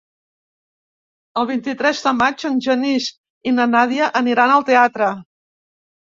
El vint-i-tres de maig en Genís i na Nàdia aniran al teatre.